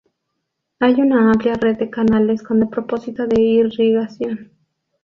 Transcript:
Hay una amplia red de canales con el propósito de irrigación.